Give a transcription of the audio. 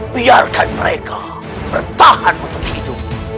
biarkan mereka bertahan untuk itu